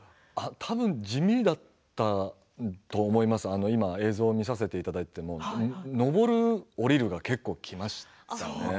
地味だったと思いますけれど今の映像を見させていただいて上る下りるが結構、きましたね